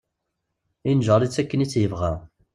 Inǧer-itt akken i tt-yebɣa.